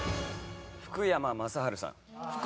福山雅治さん